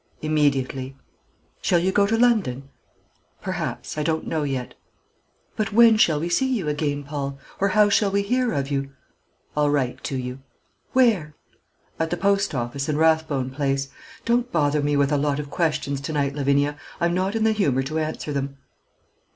"Immediately." "Shall you go to London?" "Perhaps. I don't know yet." "But when shall we see you again, Paul? or how shall we hear of you?" "I'll write to you." "Where?" "At the Post office in Rathbone Place. Don't bother me with a lot of questions to night Lavinia; I'm not in the humour to answer them."